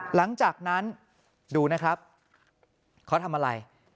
หลังจากนั้นดูนะครับเขาทำอะไร